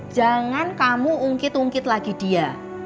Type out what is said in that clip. jangan kamu ungkit ungkit lagi dia